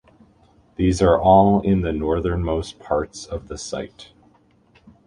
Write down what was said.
These are all in the northernmost parts of the site.